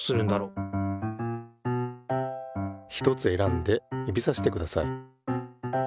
ひとつ選んで指さしてください。